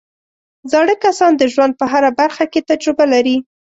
زاړه کسان د ژوند په هره برخه کې تجربه لري